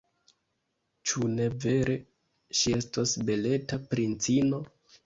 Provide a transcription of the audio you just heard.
Ĉu ne vere, ŝi estos beleta princino?